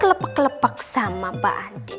a plek sama pak adik